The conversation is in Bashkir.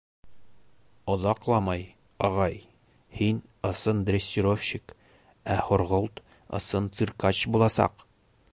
Оҙаҡламай, ағай, һин ысын дрессировщик, ә Һорғолт ысын циркач буласаҡ!